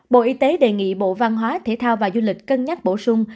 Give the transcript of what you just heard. bộ y tế đề nghị bộ văn hóa thể thao và du lịch cân nhắc bổ sung